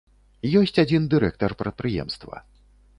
Ёсць адзін дырэктар прадпрыемства.